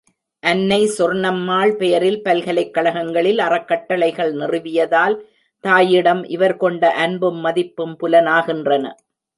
அன்னை சொர்ணம்மாள் பெயரில் பல்கலைக் கழகங்களில் அறக்கட்டளைகள் நிறுவியதால், தாயிடம் இவர் கொண்ட அன்பும் மதிப்பும் புலனாகின்றன.